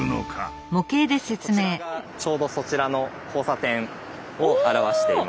こちらがちょうどそちらの交差点を表しています。